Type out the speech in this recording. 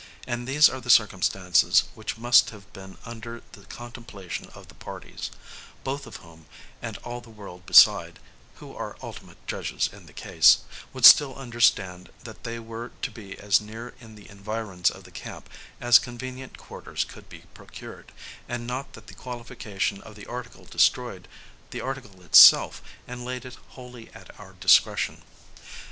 And these are the circumstances which must have been under the contemplation of the parties; both of whom, and all the world beside (who are ultimate judges in the case), would still understand that they were to be as near in the environs of the camp, as convenient quarters could be procured; and not that the qualification of the article destroyed the article itself and laid it wholly at our discretion.